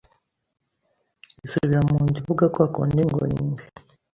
Isubira mu nzu ivuga kwakundi ngo ni ingwe